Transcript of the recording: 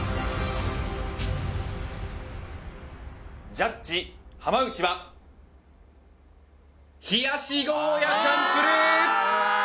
ジャッジ浜内は冷やしゴーヤチャンプルー。